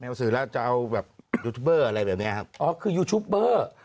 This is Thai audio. หนังสือแล้วจะเอาแบบยูทูบเบอร์อะไรแบบเนี้ยครับอ๋อคือยูทูปเบอร์